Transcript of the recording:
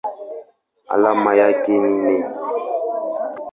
Alama yake ni Ne.